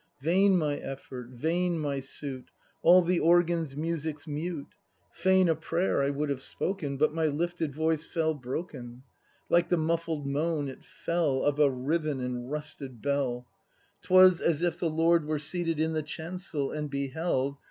Vain my effort, vain my suit. All the organ's music's mute, Fain a prayer I would have spoken. But my lifted voice fell broken, — Like the muffled moan it fell Of a riven and rusted bell. 'Twas as if the Lord were seated In the chancel, and beheld.